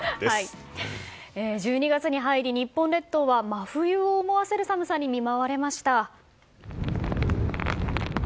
１２月に入り日本列島は真冬を思わせる寒さに見舞われました。